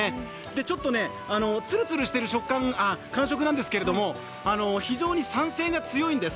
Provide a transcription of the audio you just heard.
ちょっとつるつるしている感触なんですけれども非常に酸性が強いんです。